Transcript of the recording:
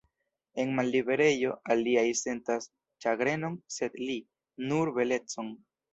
En malliberejo, aliaj sentas ĉagrenon, sed li, nur belecon.